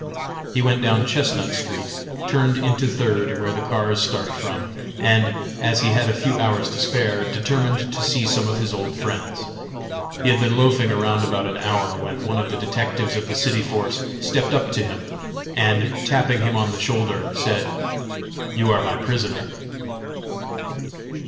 He went down Chestnut street, turned into Third, where the cars start from, and, as he had a few hours to spare, determined to see some of his old friends. He had been loafing around about an hour when one of the detectives of the city force stepped up to him, and, tapping him on the shoulder, said: "You are my prisoner."